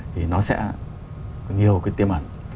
thì nó sẽ nhiều cái tiêm ẩn